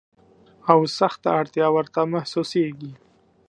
او سخته اړتیا ورته محسوسیږي.